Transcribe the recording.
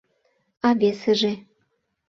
— А весыже?